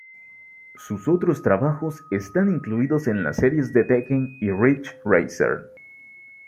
Sus otros trabajos están incluidos en las series de Tekken y Ridge Racer.